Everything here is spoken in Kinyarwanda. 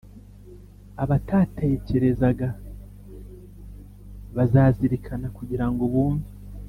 Abatatekerezaga, bazazirikana kugira ngo bumve,